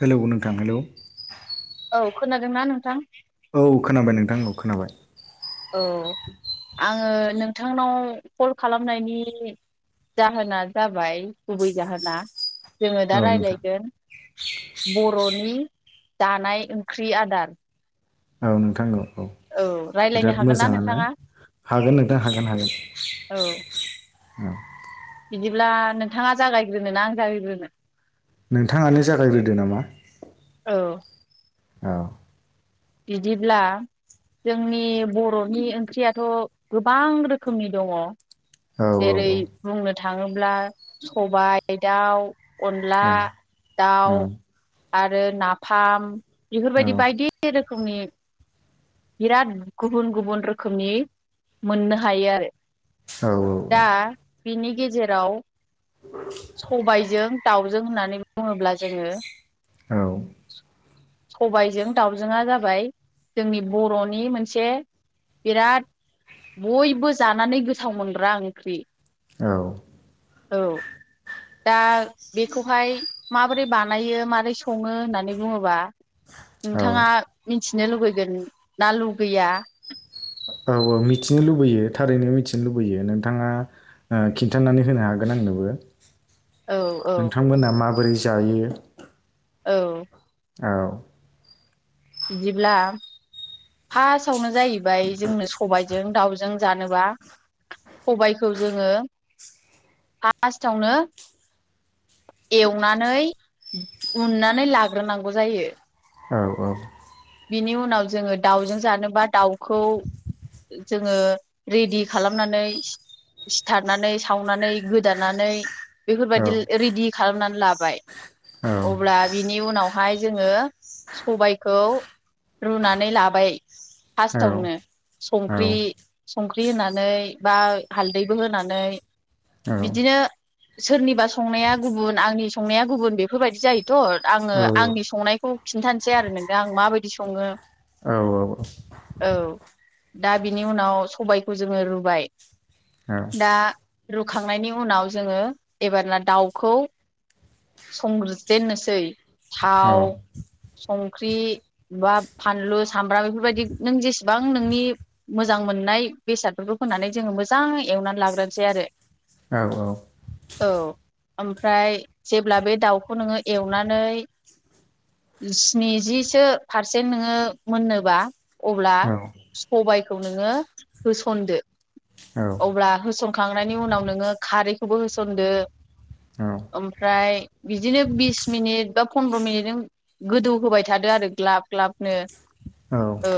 Hello नोंथां hello. औ खोनादोंना नोंथां? औ खोनाबाय नोंथां औ खोनाबाय। औ आङो नोंथांनाव कल खालामनायनि जाहोना जाबाय गुबै जाहोना जोङो औ दा नोंथां रायज्लायगोन बर'नि दानाय ओंख्रि आदार। औ नोंथां औ। औ रायज्लायनो बिराद हागोन ना मोजाङानो नोंथाङा हागोन नोंथां हागोन औ हागोन। ओम। बिदिब्ला नोंथाङा जागायग्रोनोना आं जागायग्रोनो? नोंथाङानो जागायग्रोदो नामा। औ। औ। बिदिब्ला जोंनि बर'नि ओंख्रियाथ' गोबां रोखोमनि दङ औ औ जेरै बुंनो थाङोब्ला सबाय दाउ अनला औ दाउ औ आरो नाफाम बेफोरबायदि बायदि रोखोमनि बिराद गुबुन गुबुन रोखोमनि मोननो हायो आरो। औ दा औ औ। बिनि गेजेराव सबायजों दाउजों होननानै बुङोब्ला जोङो औ। सबायजों दाउजोंआ जाबाय जोंनि बर'नि मोनसे बिराद बयबो जानानै गोथाव मोनग्रा ओंख्रि। औ। औ। दा बेखौहाय माबोरै बानायो माबोरै सङो होननानै बुङोबा औ औ नोंथाङा मिथिनो लुगैगोन ना लुगैया? औ औ मिथिनो लुबैयो थारैनो मिथिनो लुबैयो नोंथाङा ओ खिन्थानानै होनो हागोन आंनोबो। औ औ नोंथांमोना माबोरै जायो? औ। औ। बिदिब्ला फार्स्टआवनो जाहैबाय जोंनो सबायजों दाउजों जानोबा सबायखौ जोङो फार्स्टआवनो एवनानै उननानै लाग्रोनांगौ जायो। औ औ। बिनि उनाव जोङो दाउजों जानोबा दाउखौ जोङो रेडि खालामनानै सिथारनानै सावनानै गोदानानै औ बेफोरबायदिल ए रेडि खालामनानै लाबाय। अब्ला बिनि उनावहाय जोङो सबायखौ रुनानै लाबाय औ फास्टावनो। संख्रि संख्रि होनानै बा हालदैबो होनानै औ बिदिनो सोरनिबा संनाया गुबुन आंनि संनाया गुबुन बेफोरबायदि जायोथ' आङो औ आंनि संनायखौ खिन्थानोसै आरो नोंथां आं माबायदि सङो। औ औ दा बिनि उनाव सबायखौ जोङो रुबाय औ दा रुखांनायनि उनाव जोङो एबार ना दाउखौ संजेननोसै थाव संख्रि बा फानलु सामब्राम बेफोरबायदि नों जेसेबां नोंनि मोजां मोजां मोननाय बेसादफोरखौ फानै जोङो मोजां एवनानै लाग्रोसै आरो। औ औ औ ओमफ्राय जेब्ला बे दाउखौ नोङो एवनानै बिसिनि जिसो पारसेन्ट नोङो मोननोबा अब्ला औ सबायखौ नोङो होसनदो। अब्ला होसनखांनायनि उनाव नोङो खारैखौबो होसनदो [inaudible] आम फ्राय बिदिनो बिस मिनिट बा फन्द्र' मिनिटजों गोदौ होबाय थादो आरो ग्लाब ग्लाब नो। औ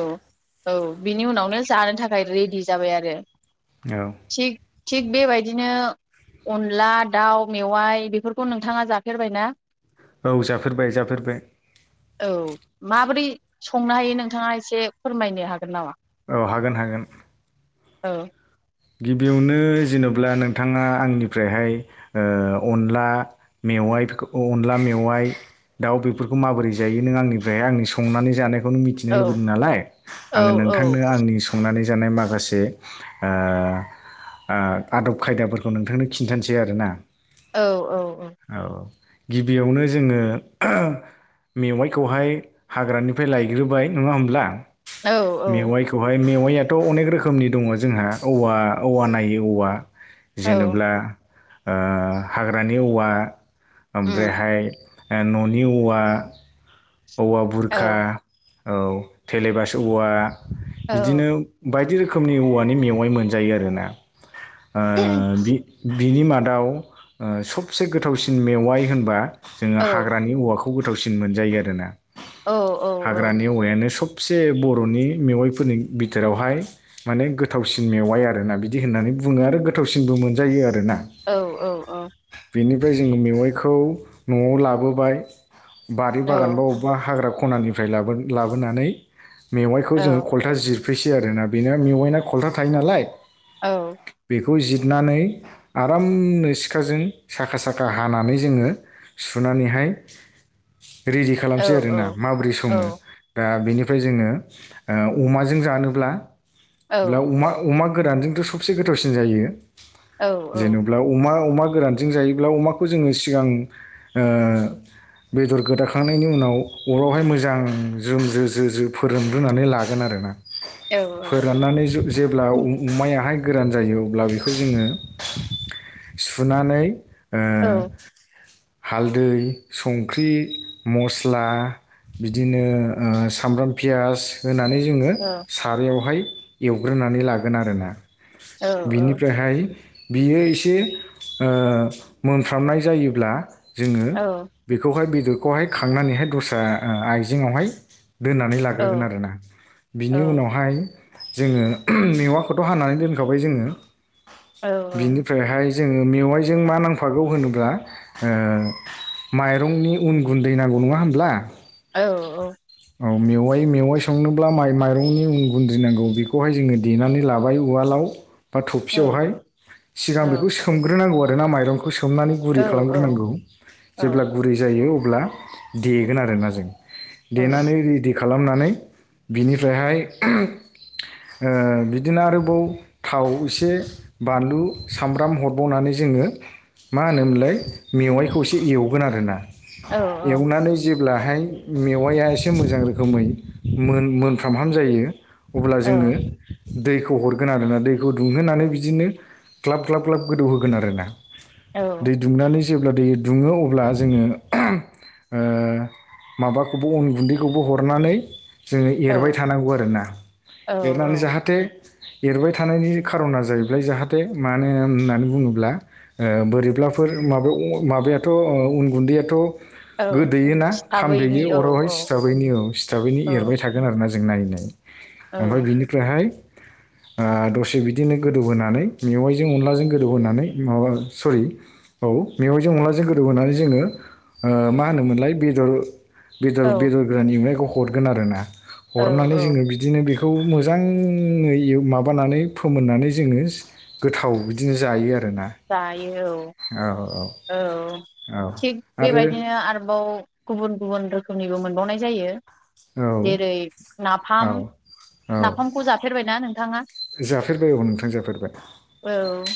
औ बिनि उनावनो जानो थाखाय रेडि जाबाय आरो। थिग थिग बेबायदिनो अनला दाउ मेवाइ बेफोर खौ नोंथाङा जाफेरबाय ना? औ जाफेरबाय जाफेरबाय। औ माबोरै संनो हायो नोंथाङा एसे फोरमायनो हागोन नामा? औ हागोन हागोन‌। औ गिबियावनो जेनेबा नोंथाङा आंनिफ्रायहाय अनला मेवाइ मेवाइ [unintelligible] आनला मेवाय दाउ बेफोरखौ माबोरै जायो नों आंनिफ्राय आंनि संनाय संनानै जानायफोरखौ नों मोनथिनो औ लुगैदों नालाय औ अङो औ नोंथांनो आंनि संनानै जानाय माखासे ओ ओ आदब खायदाफोरखौ नोंथांनो खिन्थानोसै आरोना। औ औ औ औ गिबियावनो जोङो मेवाइखौहाय हाग्रानिफ्राय लायग्रोबाय नङा होमब्ला? औ औ मेवाइयाथ' अनेक रोखोमनि दङ जोंहा औवा औवा नायो औवा औ जेनेब्ला हाग्रानि ओ औवा उम ओमफ्रायहाय न'नि औवा औवा बुरखा औ औ थेलेबास' औवा औ बिदिनो बायदि रोखोमनि औवानि मेवाइ मोनजायो आरोना। ओ बि बिनि मादाव सबसे गोथावसिन मेवाइ होनबा जोङो औ हाग्रानि औवाखौ गोथावसिन मोनजायो आरोना औ हाग्रानि औवायानो सब से बर'नि मेवाइफोरनि बिथोरावहाय माने गोथावसिन मेवाइ आ आरोना बिदि होननानै बुङो आरो गोथावसिनबो मोनजायो आरोना। औ औ औ बेनिफ्राय जोङो मेवाइखौ न'आव लाबोबाय बारि बागानबा अबेबा हाग्रा ख खनानिफ्राय लाबो लाबोनानै मेवाइखौ जोङो खलथा जिर फैसै आरोना बेनो मेवाइना खल्था थायो नालाय औ बेखौ जिरनानै आरामनो सिखाजों साखा साखा हानानै जोङो सुनानैहाय रेडि खालामसै आरोना माबोरै सङो दा बेनि जोङो अमाजों जानोब्ल ब्ला अमा अमा गोरानजोंथ' सबसे गोथावसिन जायो जेनोब्ला अमा अमा गोरानजों जायोब्ला अमाखौ जोङो सिगां ओ बेदर गोदाखांनायनि उनाव अरावहाय मोजां जोम जो जो फोरोनग्रोनानै लागोन आरोना। फोराननानै ज-जेब्ला अ मायाहाय गोरान जायो अब्ला बेखौ जोङो सुनानै ओ औ। हालदै, संख्रि, मस्ला बिदिनो ओ सामब्राम पियास होनानै जोङो औ सारायावहाय एवग्रोनानै लागोन आरोना। सिथाबैनि बिनिफ्रायहाय बियो एसे ओ मोनफ्रामनाय जायोब्ला जोङो औ बेखौहाय बेदरखौहाय खांनानैहाय दस्रा ओ आइजेङावहाय दोननानै औ लाग्रोगोन आरोना। बिनि औ उनावहाय जोङो मेवा खथ' हानानै दोनखाबाय जोङो, औ बिनिफ्रायहाय जोङो मेवाइजों मा नांफागौ होनोब्ला ओ माइरंनि उन गुन्दै नां गौ नङा होनब्ला? औ औ। औ मेवाइ मेवाइ संनोब्ला माइ माइरंनि उन गुन्दै नांगौ बेखौहाय जोङो देनानै लाबाय उवालाव बा औ थफसियावहाय। सिगां बेखौ सोमग्रो नांगौ आरो ना माइरं खौ सोमनानै गुरै औ खालामग्रोनांगौ। जेब्ला गुरै जायो अब्ला देगोन आरोना जों। देनानै रेडि खा खालामनानै बिनिफ्रायहाय ओ बि दिनो आरोबाव थाव एसे, बानलु, सामब्राम हरबावनानै जोङो मा होनोमोनलाय मेवाइखौ एसे एवगोन आरोना। औ एवनानै जे ब्लाहाय मेवाया एसे मोजां रोखोमै मोनमोनफ्रामहाम जायो अब्ला जोङो दैखौ हरगोन आरोना। दैखौ दुंहोनानै बिदिनो ग्लाब ग्लाब ग्लाब गोदौहोगोन आरोना। दै दुंनानै जेब्ला दै दुङो अब्ला जोङो ओ माबाखौबो अन गुन्दैखौबो हरनानै जोङो एरबाय थानांगौ आरोना। औ एरनानै जाहा थे एरबाय थानायनि खार'ना जाहैबाय जाहाथे मानो होननानै बुङोब्ला ओ बोरैब्लाफोर माबायाव माबायाथ' उन गुन्दैयाथ' औ गोदोयोना सिथाबैनि खामदोयो औ अरावहाय औ सिथाबैनो औ सिथाबैनो एरबाय थागोन आरोना जों नायै नायै ओमफ्राय बिनिफ्रायहाय [inaudible] आ दसे बिदिनो गोदौहोनानै मेवाइजों अनलाजों गोदौहोनानै माबा सरि औ मेवाइजों अनलाजों गोदौ होनानै जोङो ओ मा होनोमोनलाय बेदर बेदर औ बेदर गोरान एवनायखौ हरगोन आरोना। हरनानै औ जोङो बिदिनो बे खौ मोजाङै माबानानै फोमोननानै जोङो गोथाव बिदिनो जायो आ जायो औ औ। औ थिग आरो बेबादिनो आरोबाव गुबुन गुबुन रोखोमनिबो मोनबावनाय जायो। औ जेरै औ नाफाम। औ नाफामखौ जाफेरबायना नोंथाङा? जाफेरबाय औ नोंथां जाफेरबाय। औ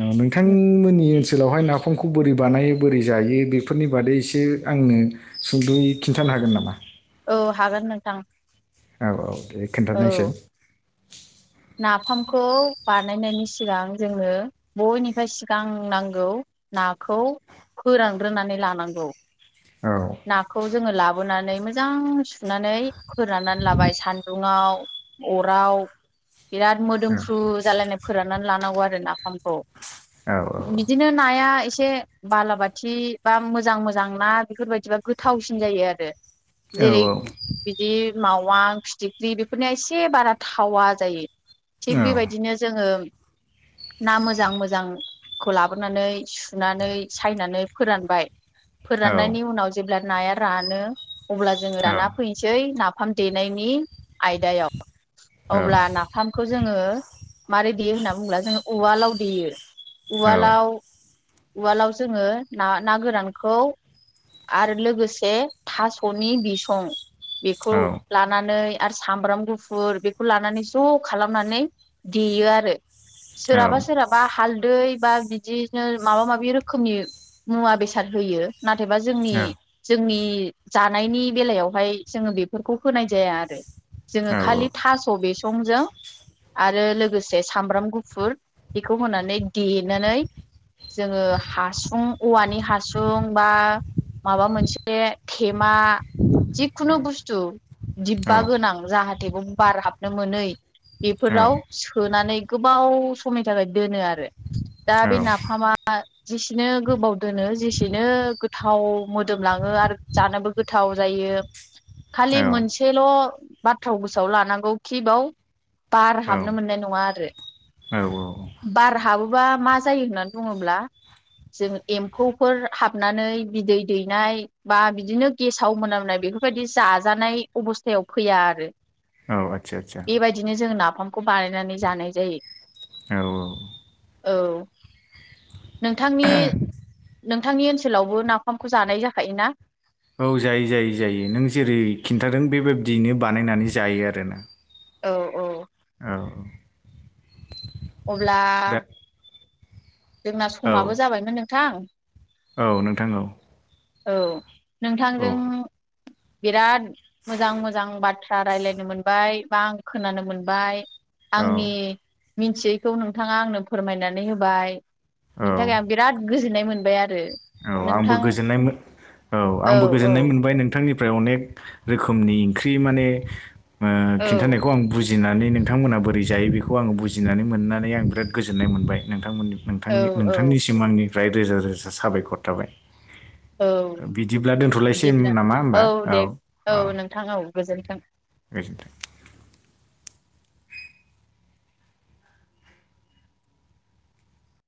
अ नोंथांमोननि ओनसो सोलावहाय नाफामखौ बोरै बानायो बोरै जायो बेफोरनि बादै एसे आंनो सुंद'यै खिन्थाला हागोन नामा? औ हागोन नोंथां। औ औ दे औ खोनथानायसाय। नाफामखौ बानायनायनि सिगां जोङो बयनिफाय सिगां नांगौ नाखौ फोरानग्रोनानै लानांगौ। औ नाखौ जोङो लाबोनानै मोजां सुनानै फोराननानै लाबाय सान्दुङाव अराव बेराद मोदोमफ्रु जालायनाय फोराननानै लानांगौ आरो नाफामखौ। औ बिदिनो नाया इसे से बालाबाथि बा मोजां मोजां ना बेफोरबायदिबा गोथावसिन जायो आरो। औ जेरै बिदि माव। अवां फिथिख्रि बेफोरनिया एसे बारा थावा जायो थिग औ बेबायदिनो जोङो [unintelligible] ना मोजां मोजांखौ लाबोनानै सुनानै सायनानै फोरानबाय औ फोराननायनि उनाव जेब्ला नाया रानो अब्ला जोङो राना फैनोसै ना नाफाम देनायनि आयदायाव औ अब्ला नाफामखौ जोङो। मारोरै देयो होनना बुङोब्ला जोङो उवालाव देयो उवालाव उवालाव जोङो ना ना गोरानखौ आरो लोगोसे थास'नि बिसं बेखौ लानानै आरो सामब्राम गुफुर बेखौ लानानै ज' खालामनानै देयो आरो। सोरहाबा सोरहाबा हालदै बा बिदिनो माबा मनि मुवाल बेसाद होयो नबा जोंनि औ जोंनि जानायनि बेलायावहाय जोङो बेफोरखौ होनाय जाया आरो। जोङो औ औ औ खालि थास' बिसंजों आरो लोगोसे सामब्राम गुफुर बेखौ होनानै देनानै जोङो हासुं औवानि हासुं बा माबा मोनसे मा जिखुनु बुस्थु आदसा दिब्बा गोनां जाहाथेबो बार हाबनो मोनै बेफोराव सोनानै गोबाव समनि थाखाय दोनो आरो। दा बे नाफामा जेसेनो गोबाव दोनो जेसेनो गो थाव मोदोमलाङो आरो जानोबो गोथाव जायो। खालि मोनसेल' बाथ्रााव गोसोआव लानांगौ खि बाव बार हाबनो मोननाय नङा आरो बार हाबो बबा मा जायो होननानै बुङोब्ला जों एम्फौफोर हाबनानै बिदै दैनाय बा बिदिनो गेसाव मोनामनाय बेफोरबायदि जाजानाय अबस्थायाव फैया आरो। औ आतसा आतसा ओंखामखौ बानायनानै जानाय जायो। औ औ औ नोंथांनि नोंथांनि ओनसोलावबो ना ओंखामखौ जानाय जाखायोना औ जायो जायो जायो नों जेरै खिन्थादों बेबायदियैनो बानायनानै जायो आरो ना औ औ औ अब्ला दा जोंना औ समाबो जाबायमोन नोंथां। औ नोंथां औ औ औ नोंथांजों बिराद मोजां मोजां बाथ्रा राय्लायनो मोनबाय बा आं खोनानो मोनबाय औ आंनि मिथियैखौ नोंथाङा आंनो फोरमायनानै होबाय औ बिनि थाखाय आं बिराद गोजोननाय मोनबाय आरो औ आंबो नोंथां गोजोननाय औ आंबो गोजोननाय मोनबाय नोंथांनि अनेक रोखोमनि ओंख्रि माने औ खिन्थानायखौ आं बुजि बुजिनानै नोंथांमोना बोरै जायो बेखौ आङो बुजिनानै मोननानै आं बिराद गोजोननाय मोनबाय नोंथांमोननि औ नोंथांनि औ नोंथांनि सिमांनिफ्राय रोजा रोजा साबायखर थाबाय। [unintelligible] औ बिदिब्ला दोनथ'लायसै नामा होमबा बिदिब्लाब्ला औ दे औ नोंथां औ गोजोन्थों गोजिनथों। [unintelligible]